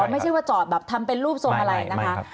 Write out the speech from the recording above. อ๋อไม่ใช่ว่าจอดแบบทำเป็นรูปโซมะไหล่นะคะ